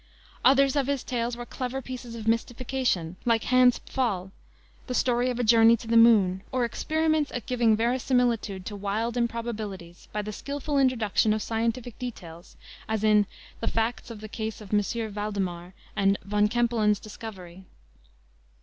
Others of his tales were clever pieces of mystification, like Hans Pfaall, the story of a journey to the moon, or experiments at giving verisimilitude to wild improbabilities by the skillful introduction of scientific details, as in the Facts in the Case of M. Valdemar and Von Kempelen's Discovery.